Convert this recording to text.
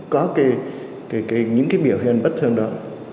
có những biểu hiện bất thường đó